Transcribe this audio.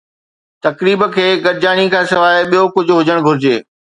تقريب کي گڏجاڻي کان سواء ٻيو ڪجهه هجڻ گهرجي